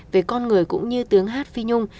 về con người cũng như tướng hát phi nhung